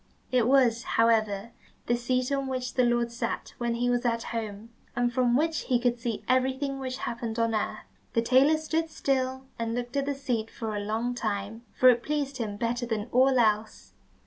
It was, however, the seat on which the Lord sat when he was at home, and from which he could see everything which happened on earth. The tailor stood still, and looked at the seat for a long time, for it pleased him better than all else.